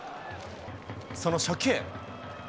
その初球。